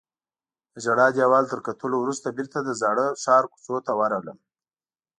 د ژړا دیوال تر کتلو وروسته بیرته د زاړه ښار کوڅو ته ورغلم.